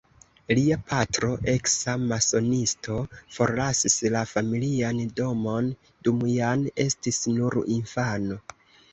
Lia patro, eksa masonisto, forlasis la familian domon dum Jan estis nur infano.